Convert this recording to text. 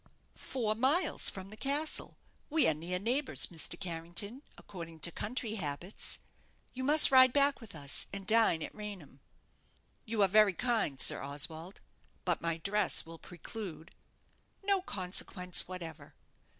"Four miles from the castle. We are near neighbours, Mr. Carrington, according to country habits. You must ride back with us, and dine at Raynham." "You are very kind, Sir Oswald; but my dress will preclude " "No consequence whatever.